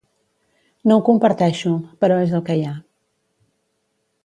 No ho comparteixo, però és el que hi ha.